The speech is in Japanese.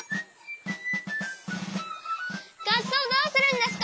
がっそうどうするんですか？